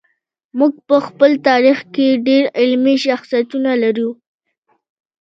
موږ په خپل تاریخ کې ډېر علمي شخصیتونه لرو.